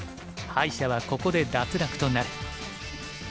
敗者はここで脱落となる。